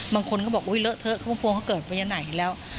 บางคนเขาบอกเหลือเถอะเพราะพวกเขาเกิดไปไหนแล้ว